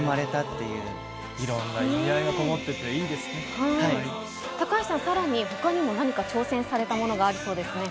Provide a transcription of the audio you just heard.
いろんな意味合いが込もって高橋さん、さらにほかにも挑戦されたものがあるそうですね。